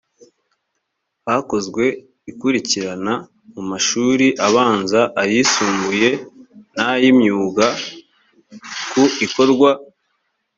hakozwe ikurikirana mu mashuri abanza ayisumbuye n ay imyuga ku ikorwa